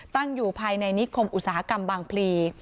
ตั้งอยู่ภายในนิคมอุตสาหกรรมบางพลี